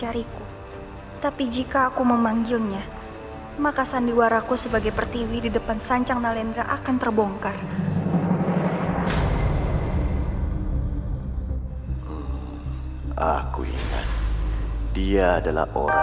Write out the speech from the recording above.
aku ingat dia adalah orang yang kuil